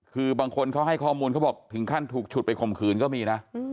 คือบางคนเขาให้ข้อมูลเขาบอกถึงขั้นถูกฉุดไปข่มขืนก็มีนะ